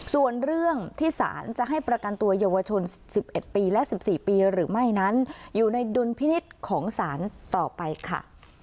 ส่วนเรื่องที่สารจะให้ประกันตัวเยาวชน๑๑ปีและ๑๔ปีหรือไม่นั้นอยู่ในดุลพินิษฐ์ของสารต่อไปค่ะ